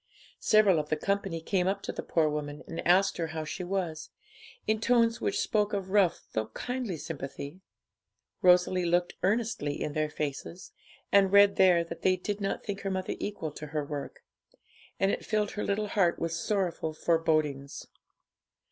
Several of the company came up to the poor woman, and asked her how she was, in tones which spoke of rough though kindly sympathy. Rosalie looked earnestly in their faces, and read there that they did not think her mother equal to her work; and it filled her little heart with sorrowful forebodings.